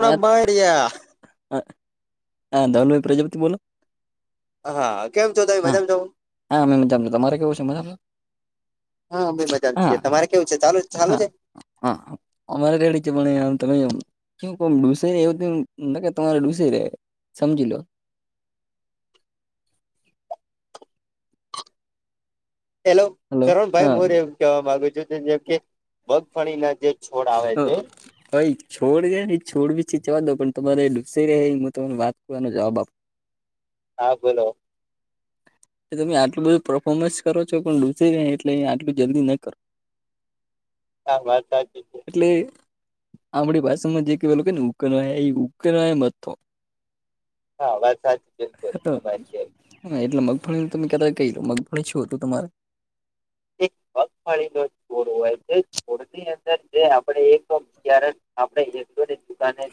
[inaudible] બારિયા હા હા ધનુભાઈ પ્રજાપતિ બોલો? હા કેમ છો તમે હા મજામાં છો હા [inaudible] અ જ તમારે કેવું છે, મજા? હા અમે મજા છીએ, તમારે કેવું છે ચાલુ ચાલુ હા છે? હા, અમારે કે રીતે બને તમે શું કો ડૂસે એવું ન તમારે ડૂસે ર સમજી લો હેલો હલો શરણ ભાઈ હા હું એવું કહેવા માંગુ છું, જેમ કે મગફણી ના જે છોડ આવે છે અ [inaudible] છોડ ગયા છોડ બીછી જવા દઉ પણ તમારે ડૂબસે રહે એ હું તમને વાત કરવાનો જવાબ આપુછુ, હા, બોલો એ તમે આટલુ બધું પરફોર્મન્સ કરો છો પણ ડૂસી ને એટલે આટલું જલ્દી ન કરો. હા, વાત સાચી છે એટલે આપડી ભાષામાં જે કેવાય ને ઉકનાઈ એ ઉકેનાઈ મથો હા, વાત સાચી બિલકુલ તમારી હા, એટલે મગફળીનું તમે કેતા કઈ મગફળી શું હતું, તમારે એક મગફાળીનો છોડ હોય છે, છોડની અંદર જે આપણે એક તોર આપણે એકની દુકાને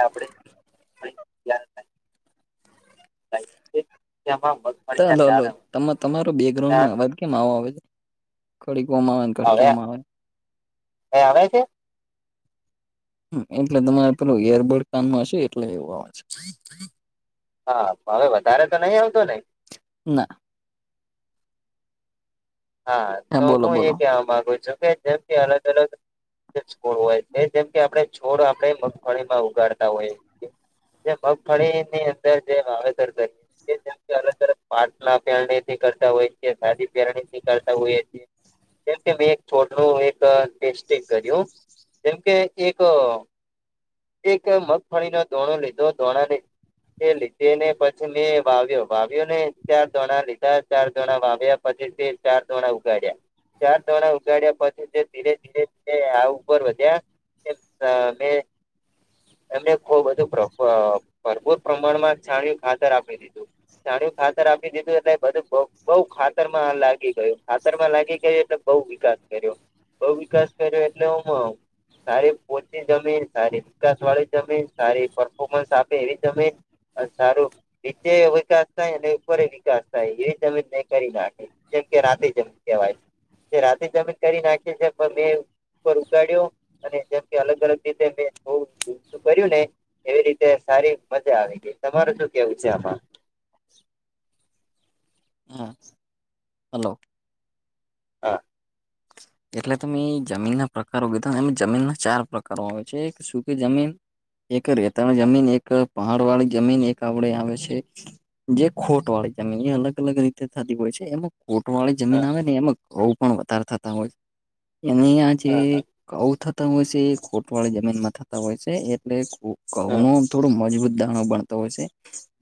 આપણે, [unintelligible] ચાલ, મગફળીના હલો. દાણા તમારો બેકગ્રાઉન્ડમાં અવાજ કેમ આવો આવે છે? ખોડીકવામાં હવે એ આવે છે. એટલે તમારે પેલું એરબર્ડ કાનમાં હશે, એટલે એવું આવે. હા, હવે વધારે તો નહીં આવતો નઈ? હા. હા, તો બોલો હું એ બોલો કેહેવા માગુ છું કે, જેમથી અલગ અલગ હોય છે, જેમ કે આપણે છોડ આપણેે મગફળીમાં ઉગાડતા હોય. જે મગફળી ની અંદર જે વાવેતર થાય છે. એ જેમ કે અલગ અલગ પાટણ ના પહેરણીથી કરતા હોય છે, દાદી પહેરણી કરતા હોય છે. જેમકે મેં એક છોડનું એક ટેસ્ટિંગ કર્યું. જેમકે એક એક મગફળીનો દોણો લીધો, દોણા એ લીધે ને પછી મેં વાવ્યો, વાવ્યો ને ચાર દોણા લીધા. ચાર દોણા વાવ્યા. પછીથી ચાર ધણા ઉગાડ્યા. ચાર દાણા ઉગાડ્યા પછી, તે ધીરે ધીરે ધીરે આ ઉપર વધ્યા. મે [unintelligible] એમને બહુ બધું ભરપૂર પ્રમાણમાં છણી ખાતર આપી દીધું. છાણી ખાતર આપી દીધું, એટલે બધું બઉુ ખાતર માં લાગી ગયું. ખાતર માં લાગી ગયું એટલે બઉ વિકાસ કર્યો, બઉ વિકાસ કર્યો એટલે હ. સારી પોહચી જમીન, સારી વિકાસ વાળી જમીન સારી પરફોર્મન્સ આપે એવી જમીન. સારું નીચે વિકાસ થાય અને ઉપર વિકાસ થાય એવી અમે નહીં કરી નાખી. જેમ કે રાતે જમીન કેવાય છે, જે રાતે જમીન કરી નાખી છે, પણ મે ઉપર ઉગાડ્યો અને જેમ કે અલગ અલગ રીતે મે કર્યું ને એવી રીતે સારી મજા આવે ગઈ. તમાર શું કેવું છે આમાં? હા, હલો. હા. એટલે તમે જમીન પ્રકારો કીધા. જમીનના ચાર પ્રકારો આવે છે. એક શું કે જમીન એક રેતાની જમીન, એક પહાડવાળી જમીન, એક આપડે આવે છે. જે કોટવાળી જમીન, એ અલગ અલગ રીતે થતી હોય છે એમાં. કોટવાળી હા જમીન આવે ને એમાં ધઉ પણ વધારે થતા હોય. એની આ જે હા હા ધઉ થતા હોય છે, એ કોટવાળી જમીનમાં થતા હોય છે એટલે ઘઉ હા નો થોડો મજબૂત દાણો બણતો હોય છે.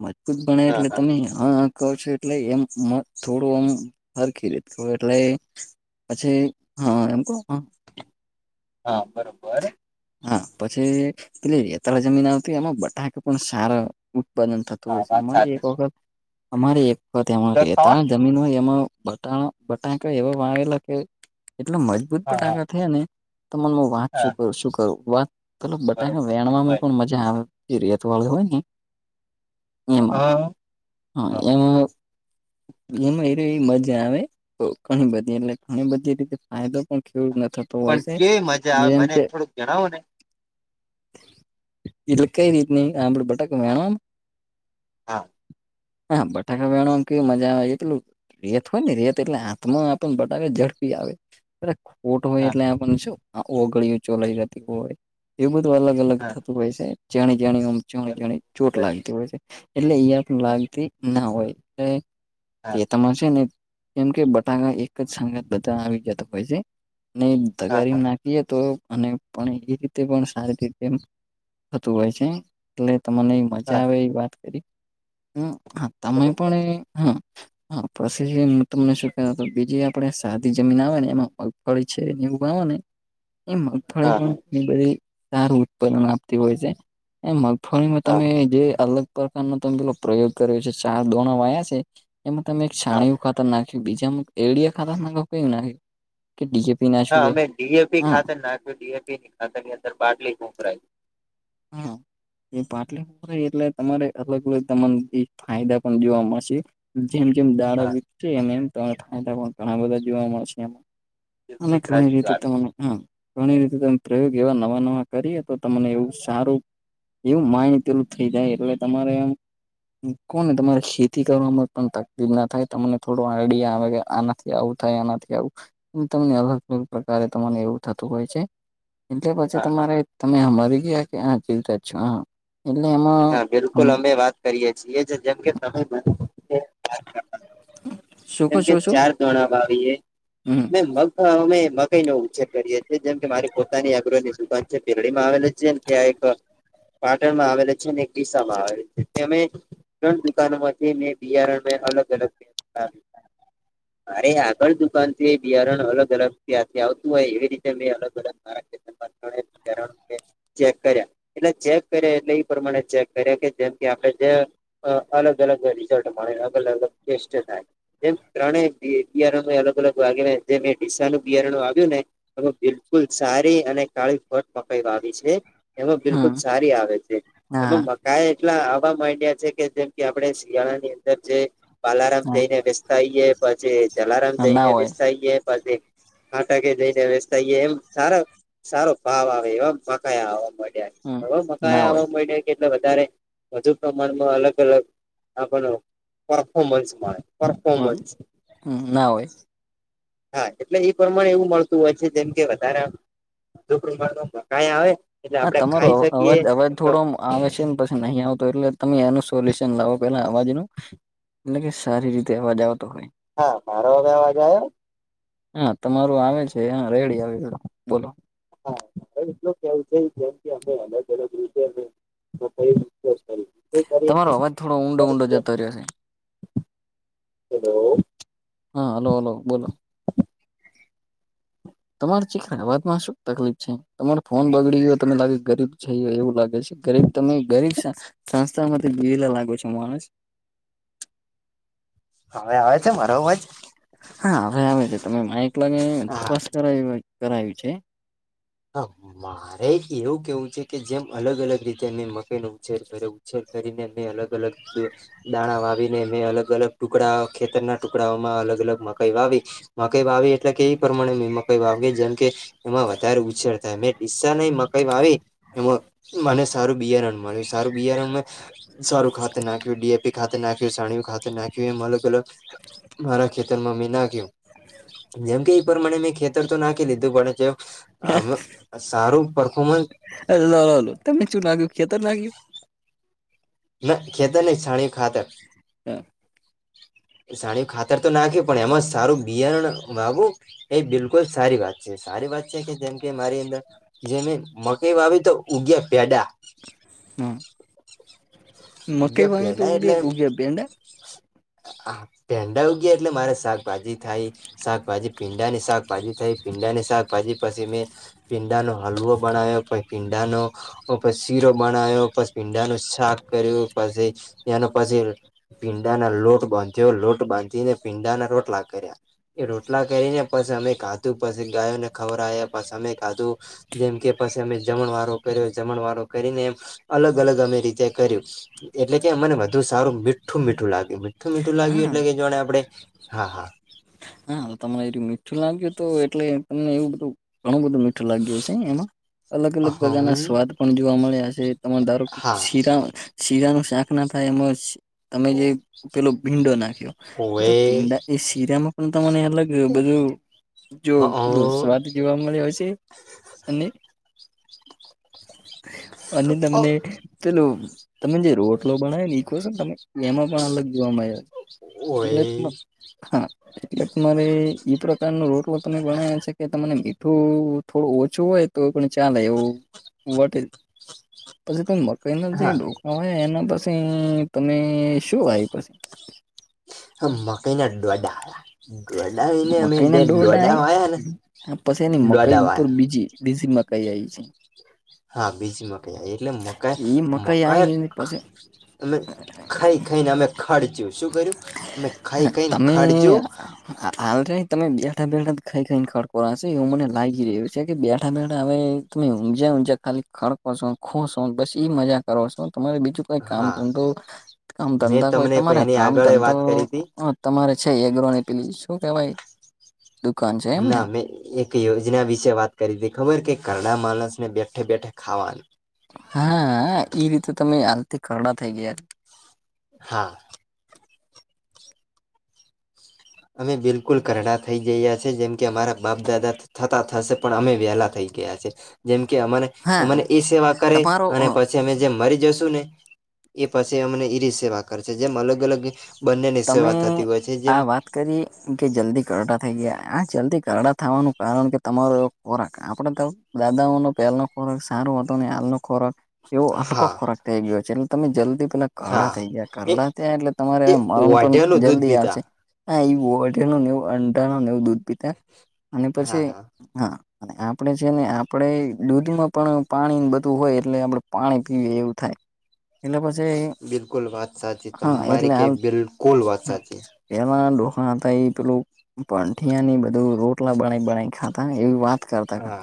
મજબૂત બને હા એટલે હા તમે હ કહું છું એટલે એમ થોડું આમ સરખી રીતે કહુ, એટલે પછી હા, એમ. હા, બરોબર. હા, પછી પેલે રેતાળ જમીન આવતી. એમાં બટાકા પણ સારા ઉત્પાદન થતું હા હોય વાત સાચી છે. અમારે એક વખત છે અમારે એક વખત ખાવા એ જમીનમાં એમાં બટાણા, બટાંકા એવા વાવેલા કે એટલે મજબૂત પણ હા હા બટાકા થયા ને. તો મન વાત હા શું કરો, શું કરું? પેલો બટાકા વેણવામાં બરોબર પણ મજા આવે. રેતવાળું હોય ને. એમાં હા હા, એમાં એમાં એ મજા આવે તો ઘણી બધી, એટલે ઘણી બધી રીતે અહીં તો પણ ખાવું જ નથી. પણ કેવી મજા આવે, મને થોડુંક જણાવો ને. એટ ક રીટ નની આ પળ પટક વેણ [unintelligible] હા હા, બટાકા વણવામાં તો મજા આવે એટલું રેત હોય ને, રેત એટલે હાથમાં આપને બટાકા ઝડપી આવે. ખોટું હોય હા એટલે આપણ શું, આ ઓગળી, ચોલાઈ જતી હોય એવું બધું અલગ અલગ હા થતું હોય છે. જાણી જાણી, જાણી જાણી, ચોટ બરોબર લાગતી હોય છે. એટલે ઇયા પણ હા માંગતી ના હોય હા જે તમાર છે ને કેમ કે બટાકા એકજ સંગાત બધા આવી ગયા તા પછી ને હા તગારી હા માં ના એ તો અને પણ એ રીતે પણ સારી રીતે એમ થતું હોય છે એટલે તમને મજા હા આવે એવી વાત કરી હ તમે બરોબર પણ હા હા પછી હું તમને શું ક બીજી આપડે સાદી જમીન આવે ને એમાં મગફળી છે એવું ઉગાવો ને એ મગફળી હા પણ બધી સારું ઉત્પાદન આપતી હોય છે એ મગફળીમાં હા તમે જે અલગ પ્રકારનો તમે પેલો પ્રયોગ કર્યો છે ચાર દોણા વાયા છે એમાં તમે એક હા છાણીયું ખાતર નાખી બીજા એડિયા ખાતર નાખો કરો નાખી. ડીજેપી ના હા અમે ડીએપી ખાતે નાખ્યું ડીએપી ની ખાતે ની અંદર બાટલી મોકરાય. હા [unintelligible] એ પાટલી એટલે તમારે અલગ અલગ તમા ફાયદા પણ જોવા મળશે. જેમ જેમ દાડા હા વક છે એમ એમ ત ઘણા બધા જોવા મળશે એમ. અને બિલકુલ ઘણી સાચી રીતે વાત તમે હ ઘણી રીતે તમે પ્રયોગ એવા નવા નવા કરીએ તો તમને એવું સ સારું એવું માઇડ પેલું થઈ જાય એટલે તમારે આમ કોણ ને તમારે ખેતી કરવાવામાં પણ તકલીફ ના થાય તમને થોડો આઈડિયા આવે કે આ આવું થાય આનાથી આવું તમને અલગ અલગ પ્રકારે તમાને એવું થતું હોય છે. એટલે પછી હા હા તમારે તમે મરી ગયા કે આ જીવતાજ છો હા એટલે એમાં હા બિલકુલ અમે વાત કરીએ છી એ જેમ કે સમય શું કો જેમ કે છો શું ચાર ધોણા વાાવીએ હમ મે મગમે મકાઈ ન ઉ છેે કરીએ છે જેમ કે મારી પોતાની અગ્રની દુકાન છે બેેરડી માં આવે છે ત્યાં એક પાટણમાં આવેલા છે એક ડીસામાં આવેલ છે અમે ત્રણ દુકાનો માંથી મે બિયારણ મે અલગ અલગ પ મારે આગળ દુકાન થી બિયારણ અલગ અલગ ત્યાંથી આવતું હોય એવી રીતે મેં અલગ અલગ મારા ાર [inaudible] ચેક કર્યા એટલે ચેક કર્યા એટલે ઇ પ્રમાણે ચેક કર્યા કે જેમથી આપણે જે અ અલગ અલગ રીઝલ્ટ મળે અલગ અલગ ટેસ્ટ થાય. જેમ ત્રણેય બિયારણો અલગ અલગ વાગે જેમ ડીસા નું બિયારણું આવ્યું ને. બિલકુલ સારી અને કાળી ફટ મકાઈ વા છે. એમાં બિલકુલ હમ સારી આવે છે હા એમાં. ક એટલા આવા માંડ્યા છે કે જેમ કે આપણે શિયાળા ની અંદર જે બાલારામ જઈને થઈયે પછી જલારામ હા ના જઈને હોય વિસતાઈએ પછી ફાટાકે જઈને વેસતા હ‌ઇયે એમ સારો સારો ભાવ આવે એવા મકાયા આવવા મળ્યા. હમ હા નવા મકા ના હોય આવા મંડ્યા. કેટલે વધારે વધુ પ્રમાણમાં અલગ અલગ આપને પરફોમન્સ મળે. હમ કોમસ ના હોય હા એટલે એ પ્રમાણે એવું મળતું હોય છે જેમ કે વધારે દો પ્રકારનું મકાઈ આવે. એટલે હા આપડે તમારો ખાઈ અ શકીએ અવાજ અવાજ એમનો થોડો આવે છે ને પછી નહીં આવતો એટલે તમે એનું સોલ્યુશન લાવો પેલા અવાજ નો એટલે કે સારી રીતે અવાજ આવતો હોય. હા મારો હવે અવાજ આયો. હા તમારું આવે છે હા રેડી આવેે બોલો હા એટલો કેવ છે જેમ કે અમે અલગ અલગ રીતે અ હા કંઈ કેમ કરી તમારો અવાજ થોડો ઊંડો ઊંડો જતો રહ્યોશે. હેલો હા હલો હલો બોલો તમાર ચીકરા વાતમાં શું તકલીફ છે તમારો ફોન બગડી ગયો તને લાગે ગરીબ જઈ એવું લાગે છે ગરીબ તમે ગરીબ સંસ્થામાંથી દીવેલા લાગો છો માણસ હવે આવે છે મારો અવાજ.. હા હવે આવે છે તમે માઇક લાગી હા તપાસ કર કરાવી છે. હા મારે એવું કેવું છે કે જેમ અલગ અલગ રીતે મેં મકેઈનો ઉછેર કર્યો ઉછેર કરીને મેં અલગ દાણા વાવી અને મેં અલગ અલગ ટુકડા ખેતરના ટુકડાઓમાં અલગ અલગ મકાઈ વાવી મકઈ વાવી એટલે કે એ પ્રમાણે મે મકઈ વાવી જેમ કે એમાં વધારે થાય મેં દિસ્સા નહી મકઈ વાવી એ મને સારું બિયારણ મળ્યું છે. સારું બિાર સારું ખાત નાખ્યુંડીપી ખા નાખ્યું સાણી ખાતે નાખ્યું એમ અલગ અલગ મારા ખેતરમાં મેં નાખ્યું જેમ કે એ પર મણે મેં ખેતર તો નાખી લીધું પણ આમાં સારું પરફોમન્સ એલો તમે શું નાગ્યું ખેતર નાગ્યું ના ખેતર નહી છણી ખાતર હા સાણીું ખાતર તો નાખે પણ એમાં સારું બિયણ વાવુ એ બિલકુલ સારી વાત છે સારી વાત છે કે જેમ કે મારી અંદર જે મે મકઈ વાવી તો જે પેડા હમ તો પેડા ઉડે એટલે ઉગ્યા પેંડા હા ભેંડા ગયા એટલે મારે શાકભાજી થાય શાકભાજી પીંડા ની શાકભાજી થઈ પીંડા ની શાકભાજી પછી મે પીંડાનો હલવો બનાવ્યો પ પીંડાનો પછી શીરો બનાવ્યો પછી ભીંડા ન શાક કર્યું પછી એનો પછી પીંડાના લોટ બાંધ્યો લોટ બાંધીને પીંડાના લોોટલા કર્યા એ રોટલા કરીને પસ અમે કાધું પછી ગાયોને ખબર આવે પછ અમે કાધું જેમ કે પછી અમે જમણ વારો કર્યો જમણ વારો કરીને એમ અલગ અલગ અમે રીતે કર્યું એટલે કે મને વધુ સારું મીઠું મીઠું લાગ્યું મીઠું મીઠું લાગ્યું એટલે હા કે જોણે આપડે હા હા હા તમને એું મીઠું લાગ્યું હત એટલે તમને એવું બધું ઘણું બધું મીઠું લાગ્યુંશે એમાં અલગ અલગ પ્રકારના હમ સ્વાદ પણ જોવા મળ્યા છે તમે ધારો કે હા શીરા શીરા ન શાક ના થાય એમ તમે જે પેલો ભીંડો નાખ્યો તો ઓવે ભીંડા એ શીરામાં તને અલગ બધું જો પેલું સ્વાદ જોવા મળે હોય છે અને અને હ તમને પેલો તમેને જે રોટલો બના ને કો છે ને તમે એમાં પણ અલગ જોવા મળ્યા ઓવે છે એટલે હા એટલે તમારે ઈ પ્રકાર ન રોટલો તમે ગણાવો છે કે તને મીઠું થોડું ઓછું હોય તો પણ ચાલે એવું વ પછી ત મકઈ ન હવે એના પછી તમે શું આ પછી હ મકઈ ના અડુંવા ડાળ દોડાને અમે મકાઈના દોડા ડોડાય વાયા ને દોડા વાયા બીઝ મકાઈ આવી છે હા બીજી મકાઈ એટલે મકાઈ એ મકાઈ આઈ પછી અમે ખાઈ ખાઈને અમે ખર્ચ્યું શું કર્યું અમે ખાઈ ખાઈને તમે ખર્ચ્યું હાલ ર તમે બેઠા બેઠા ખાઈ ખાઈ ને ખડકોરા છે એવું મને લાગી રહ્યું છે કે બેઠા બેઠા આવે તમે ઊંઘા્યા ઊંઝ્યા ખાલી ખડકોશ હો ખોશ હો બસ એ મજા કરો [unintelligible] તમારે બીજું કઈ કામ હા ધંધો. કામ મેં ધંધા કોઈ તમને તમારે એની કામ આગળ ધંધો. વાત કરી હતી તમારે છે, એગ્ર ની પીલી શું કેવાય. દુકાન છે એમ ને ના મે એક. યોજના વિશે વાત કરી હતી ખબર કે [unintelligible] માણસ ને બેઠે બેઠે ખાવાનું. હા એ રીતે તમે હાલથી ખરડા થઈ ગયા. હા. અમે બિલકુલ કરડા થઈ [unintelligible] જેમ કે અમારા બાપ દાદા. થતા થશે પણ અમે વહેલા થઈ ગયા છે, જેમકે અમારે. મને હા એ સેવા કરે તમારો અને પછી. અમે જેમ મરી જશુ ને એ પછી અમને એ [unintelligible] સેવા કરશે જેમ અલગ અલગ. બંનેની તમે સેવા થતી હોય છે, જેમ. [unintelligible] કરી કે જલ્દી કરડા થઈ ગયા આ જલ્દી કરડા થવાનું કારણ કે તમારો એવો ખોરાક આપણે તો. દાદાઓ ન પહેલનો ખોરાક સારો હતો ને હાલનો ખોરાક. એવો હલકો હા ખોરાક થઈ ગયો છે, એટલે તમે જલ્દી પેલા કાઢા હા થઈ ગયા એ કરડા થયા એટલે તમારે એ એમ. પણ વાઢિયાનું દૂધ જલ્દી પીતા આવશે. હા એ બવાઢ નવું અંડા નવું દૂધ પીતા અને પછી હા. આપણે છે, ને આપણે દૂધમાં પણ પાણી બધું હોય એટલે આપણે પાણી પીએ એવું થાય. એટલે પછી. બિલકુલ વાત સાચી હા એટલે તમારી કઈ હાલ બિલકુલ વાત સાચી. પેલા [unintelligible] હતા એ પેંઠિયાની બધ રોટલા [unintelligible] ખાતા એ વાત. કરતાં હા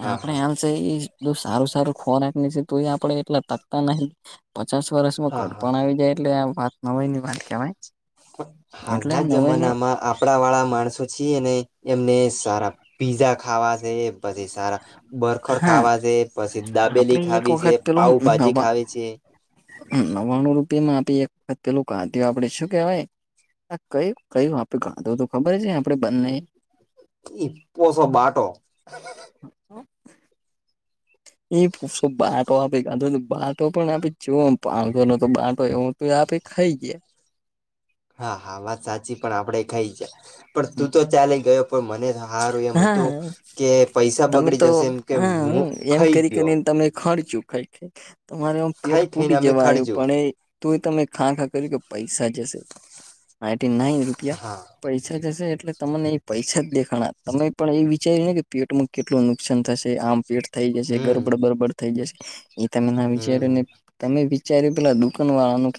હા આપણે. હા [unintelligible] એ જો સારું સારું ખોરાકને છે, તો એ આપડે એટલા તકતા નહ. પચાસ વર્ષમાં હા હા કડપણ આવી જાય એટલે આ વાત [unintelligible] વાત કેવાય એટલે નવાની. કપડા વાળા માણસો છીએ ને એમને સારા પીઝા ખાવા છે, પછી સારા. બરખર હા ખાવા છે, પછી દાબેલી આપડે એક ખાવી વખત છે પાઉભાજી ખાવી છે. [unintelligible] વાણું રૂપિયા માં આપી એક વખત પેલું કાધું આપડે શું કેવાય. કયું કયું આપે કાંધો તો ખબર છે, આપડે બંને. [unintelligible] પોસો બાટો. [unintelligible] [unintelligible] બાટો આપે કાંધો [inaudible] તો પણ આપે જો પાંદો ન તો બાટો એવું તો આપે ખાઈ ગયા. હા હા વાત સાચી પણ આપડે ખાઈ છે, પણ તું ગયા તો ચાલી ગયો. પણ મને સારું એમ હતું હા કે પૈસા તમે બગડી તો જશે એમ કે ખાઈ ગયો. ખણચું ખાય તમારે આ પેટ ખાઈ ખાઈને ફૂટી અમે જવા આવ્યું ખર્જુ પણ એ. તો એ તમે ખા ખા કર્યું કે પૈસા જશે [inaudible] રૂપિયા. હા પૈસાા જશે એટલે તમને એ પૈસાા જ દેખ. ઘણા તમે પણ એ વિચાર્યું ને કે પેટમાં કેટલું નુકસાન થશે આમ પેટ થઈ જશે ગરબડ હમ બરબડ. [unintelligible] એ તમે ના વિચાર હમ તમે વિચાર પેલા દુકાન વાળાનું